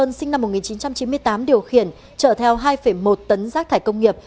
nguyễn ngọc sơn sinh năm một nghìn chín trăm chín mươi tám điều khiển chở theo hai một tấn rác thải công nghiệp